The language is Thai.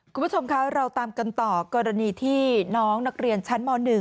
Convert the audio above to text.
คุณผู้ชมคะเราตามกันต่อกรณีที่น้องนักเรียนชั้นม๑